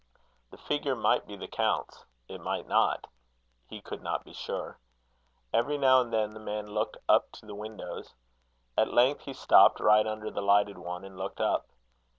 The figure might be the count's; it might not; he could not be sure. Every now and then the man looked up to the windows. At length he stopped right under the lighted one, and looked up.